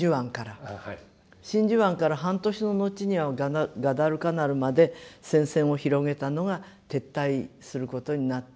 真珠湾から半年の後にはガダルカナルまで戦線を広げたのが撤退することになった。